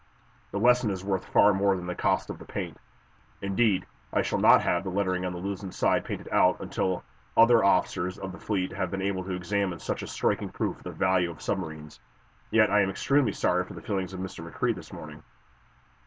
The lesson is worth far more than the cost of the paint. Indeed, I shall not have the lettering on the 'Luzon's' side painted out until other officers of the fleet have been able to examine such a striking proof of the value of submarines. Yet I am extremely sorry for the feelings of Mr. McCrea this morning."